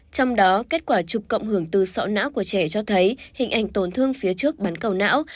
trong đó kết quả chụp cộng hưởng từ sọ não của trẻ cho thấy hình ảnh tổn thương phía trước bắn cầu não